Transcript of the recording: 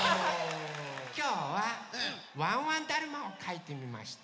きょうはワンワンだるまをかいてみました。